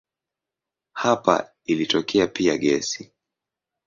Hapa ilitokea pia gesi.